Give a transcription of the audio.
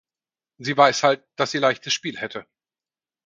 Sie weiß halt, dass sie leichtes Spiel hätte.